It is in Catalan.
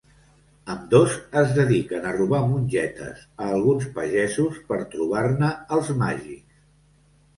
Ambdós es dediquen a robar mongetes a alguns pagesos per trobar-ne els màgics.